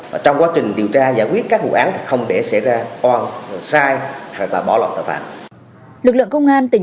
việc nhanh chóng điều tra xử lý các vụ việc đã để lại ấn tượng tốt trong lòng cán bộ nhân dân